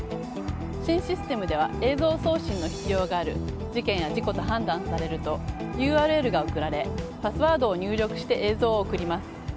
新システムでは映像送信の必要がある事件や事故と判断されるとＵＲＬが送られパスワードを入力して映像を送ります。